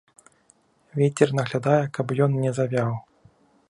Вецер наглядае, каб ён не завяў.